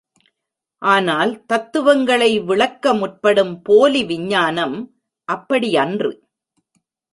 ஆனால் தத்துவங்களை விளக்க முற்படும் போலி விஞ்ஞானம் அப்படியன்று.